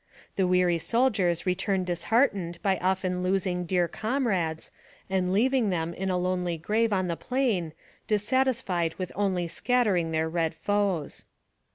The weary soldiers return dis heartened by often losing dear comrades, and leaving them in a lonely grave on the plain, dissatisfied with only scattering their red foes.